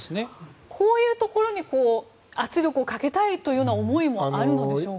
こういうところに圧力をかけたいという思いもあるのでしょうか。